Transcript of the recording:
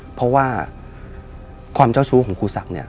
เพราะว่าความเจ้าชู้ของครูสัตว์